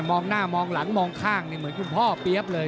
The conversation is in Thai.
มองหน้ามองหลังมองข้างเหมือนคุณพ่อเปี๊ยบเลย